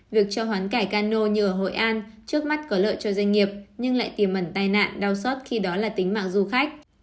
việc cho hoán cải cano như ở hội an trước mắt có lợi cho doanh nghiệp nhưng lại tiềm mẩn tai nạn đau xót khi đó là tính mạng du khách